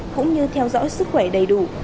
cũng như theo dõi sức khỏe đầy đủ